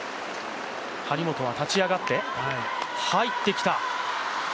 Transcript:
張本は立ち上がって、入ってきた。